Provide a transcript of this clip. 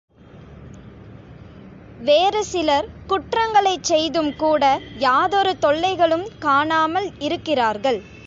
வேறுசிலர் குற்றங்களைச் செய்தும்கூட யாதொரு தொல்லைகளும் காணாமல் இருக்கிறார்கள்.